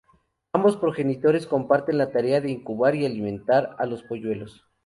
Ambos progenitores comparten la tarea de incubar y alimentar a los polluelos.